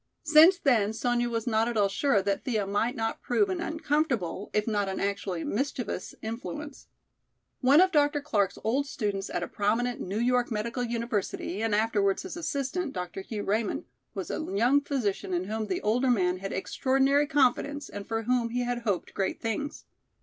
Since then Sonya was not at all sure that Thea might not prove an uncomfortable if not an actually mischievous influence. One of Dr. Clark's old students at a prominent New York Medical University and afterwards his assistant, Dr. Hugh Raymond, was a young physician in whom the older man had extraordinary confidence and for whom he hoped great things.